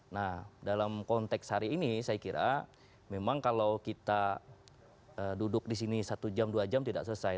nah dalam konteks hari ini saya kira memang kalau kita duduk di sini satu jam dua jam tidak selesai